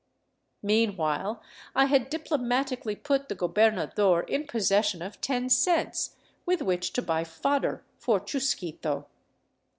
Meanwhile, I had diplomatically put the gobernador in possession of ten cents, with which to buy fodder for Chusquito.